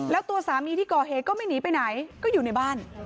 แล้วตัวสามีที่ก่อเหตุก็ไม่หนีไปไหนก็อยู่ในบ้าน